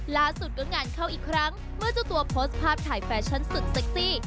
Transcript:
ล่าสุดก็งานเข้าอีกครั้งเมื่อเจ้าตัวโพสต์ภาพถ่ายแฟชั่นสุดเซ็กซี่